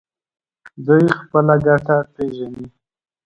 دوی خپله ګټه پیژني.